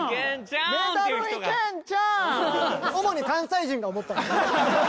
主に関西人が思ったのね。